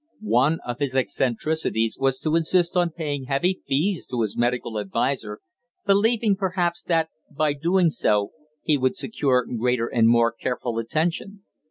One of his eccentricities was to insist on paying heavy fees to his medical adviser, believing, perhaps, that by so doing he would secure greater and more careful attention.